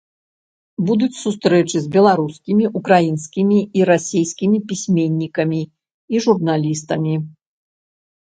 Будуць сустрэчы з беларускімі, украінскімі і расейскімі пісьменнікамі і журналістамі.